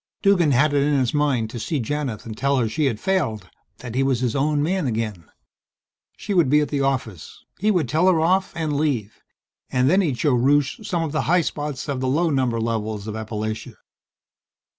Duggan had it in his mind to see Janith and tell her she had failed that he was his own man again. She would be at the office. He would tell her off, and leave. And then he'd show Rusche some of the high spots of the low number levels of Appalachia.